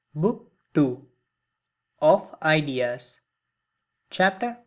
BOOK II OF IDEAS CHAPTER I.